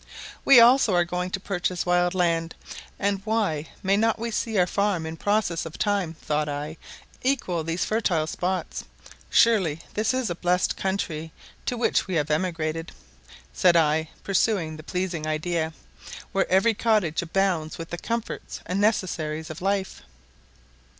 "We also are going to purchase wild land, and why may not we see our farm, in process of time," thought I, "equal these fertile spots. Surely this is a blessed country to which we have emigrated," said I, pursuing the pleasing idea, "where every cottage abounds with the comforts and necessaries of life."